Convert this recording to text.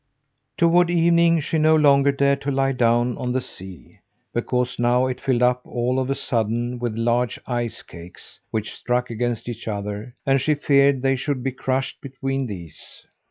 Toward evening she no longer dared to lie down on the sea, because now it filled up all of a sudden with large ice cakes, which struck against each other, and she feared they should be crushed between these.